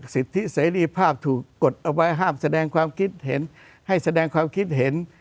สัิริฟาพถูกกดไว้ห้ามแสดงความคิดให้แสดงความคิดเห็น